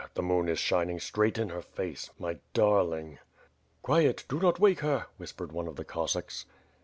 The moon is shining straight in her face, my darling." "Quiet; do not wake her," whispered one of th€ Cossacks.